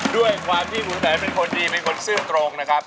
ด้วยความที่ลุงแสนเป็นคนดีเป็นคนซื่อตรงนะครับ